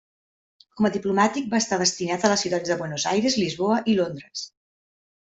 Com a diplomàtic va estar destinat a les ciutats de Buenos Aires, Lisboa i Londres.